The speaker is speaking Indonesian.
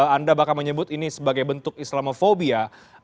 anda bahkan menyebut ini sebagai bentuk islamofobia